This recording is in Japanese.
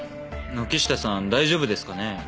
軒下さん大丈夫ですかね？